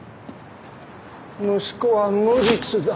息子は無実だ。